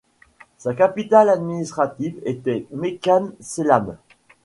Sa capitale administrative était Mekane Selam.